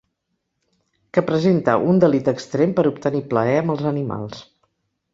Que presenta un delit extrem per obtenir plaer amb els animals.